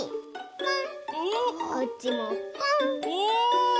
ポン！